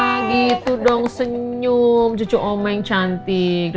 nah gitu dong senyum cucu mama yang cantik